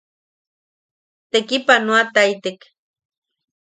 Tekipanoataitek.